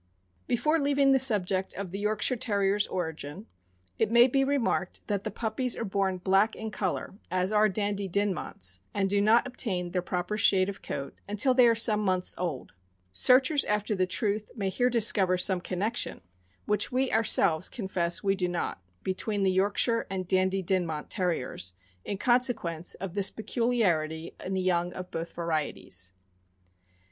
Before leaving the subject of the Yorkshire Terrier's origin, it may be remarked that the puppies are born black in color, as are Dandy Dinmonts, and do not obtain their proper shade of coat until they are some months old. Searchers after the truth may here discover some connection, which we our selves confess we do not, between the Yorkshire and Dandy Dininont Terriers, in consequence of this peculiarity in the young of both varieties. Mr.